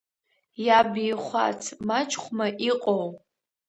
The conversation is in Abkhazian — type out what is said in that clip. Иабихәац, мачхәма иҟоу!